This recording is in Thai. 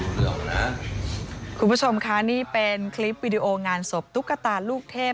คุณผู้ชมค่ะนี่เป็นคลิปวิดีโองานศพตุ๊กตาลูกเทพ